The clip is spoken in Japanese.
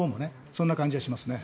そんな感じがしますね。